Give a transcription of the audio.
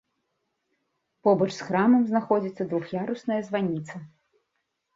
Побач з храмам знаходзіцца двух'ярусная званіца.